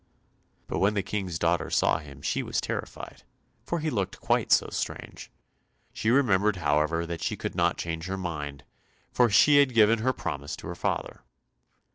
But when the King's daughter saw him she was terrified, for he looked quite too strange. She remembered however, that she could not change her mind, for she had given her promise to her father.